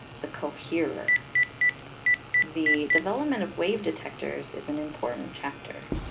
the coherer. 314 ELECTRICITY The development of wave detectors is an important chapter.